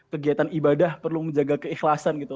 kegiatan ibadah perlu menjaga keikhlasan gitu